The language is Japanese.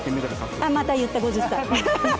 また言った、５０歳。